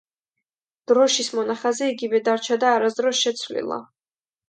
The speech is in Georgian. დროშის მონახაზი იგივე დარჩა და არასდროს შეცვლილა.